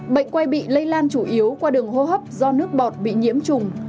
bệnh quay bị lây lan chủ yếu qua đường hô hấp do nước bọt bị nhiễm trùng